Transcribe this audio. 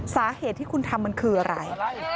สาเหตุที่คุณทำมันคืออะไร